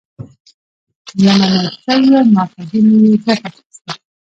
له منل شويو ماخذونو يې ګټه اخستې